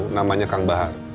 namanya kang bahar